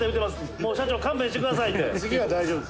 「もう社長勘弁してくださいって」